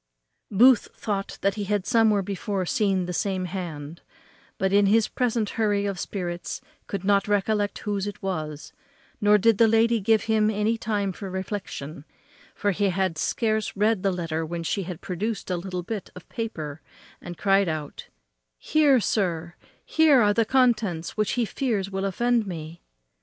Booth thought he had somewhere before seen the same hand, but in his present hurry of spirits could not recollect whose it was, nor did the lady give him any time for reflection; for he had scarce read the letter when she produced a little bit of paper and cried out, "Here, sir, here are the contents which he fears will offend me."